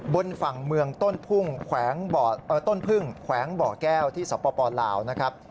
บนฝั่งเมืองต้นพึ่งแขวงบ่อแก้วที่สปปลาวนะครับ